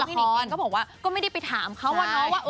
แล้วพี่นิงเองก็บอกว่าก็ไม่ได้ไปถามเขาว่าน้องว่า